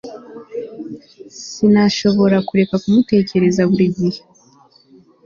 Sinashoboraga kureka kumutekereza buri gihe